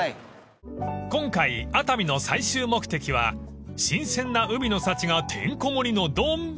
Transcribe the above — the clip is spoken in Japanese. ［今回熱海の最終目的は新鮮な海の幸がてんこ盛りの丼］